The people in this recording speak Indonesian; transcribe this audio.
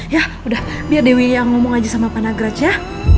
ya udah biar dewi yang ngomong aja sama panagraj ya